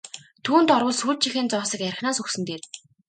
Түүнд орвол сүүлчийнхээ зоосыг архинаас өгсөн нь дээр!